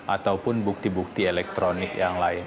ataupun bukti bukti elektronik yang lain